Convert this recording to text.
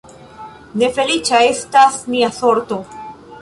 Ne feliĉa estas nia sorto!